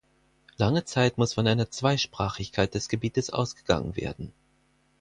Lange Zeit muss von einer Zweisprachigkeit des Gebietes ausgegangen werden.